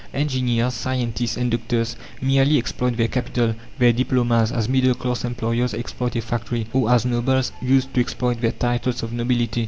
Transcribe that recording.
Engineers, scientists, and doctors merely exploit their capital their diplomas as middle class employers exploit a factory, or as nobles used to exploit their titles of nobility.